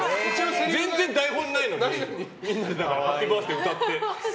全然台本にないのに、みんなで「ハッピーバースデー」歌って！とか。